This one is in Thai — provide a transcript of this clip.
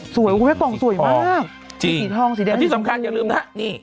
สวยอุ๊ยกล่องสวยมากสีทองสีแดงสีฟูริอันนี้สำคัญอย่าลืมนะนี่